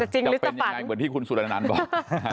จะเป็นยังไงกว่าที่คุณสุรนันทร์บอก